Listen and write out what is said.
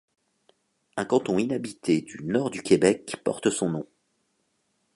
Un canton inhabité du Nord-du-Québec porte son nom.